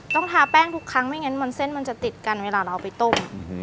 ทาแป้งทุกครั้งไม่งั้นมันเส้นมันจะติดกันเวลาเราเอาไปต้ม